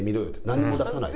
何も出さない。